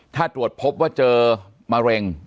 ถ้าตรวจพบว่าเจอมะเร็ง